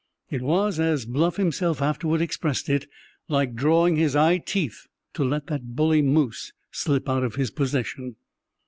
It was, as Bluff himself afterward expressed it, "like drawing his eyeteeth to let that bully moose slip out of his possession."